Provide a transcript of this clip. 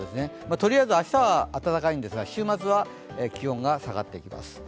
とりあえず明日は暖かいんですが週末は気温が下がってきます。